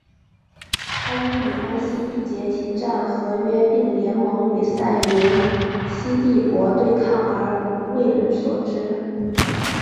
他因与安息缔结停战和约并联盟与塞琉西帝国对抗而为人所知。